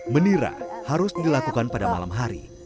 menira harus dilakukan pada malam hari